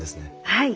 はい。